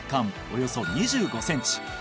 およそ２５センチ